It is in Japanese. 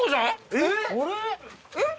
⁉えっ？